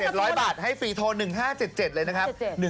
โทรไปเบอร์ไหนเยี่ยมกับโทร